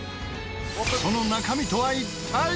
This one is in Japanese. その中身とは一体？